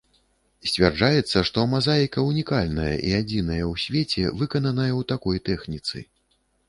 Сцвярджаецца, што мазаіка ўнікальная і адзіная ў свеце, выкананая ў такой тэхніцы.